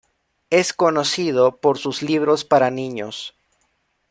Es conocido por sus libros para niños.